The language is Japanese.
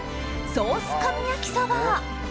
ソース神焼きそば。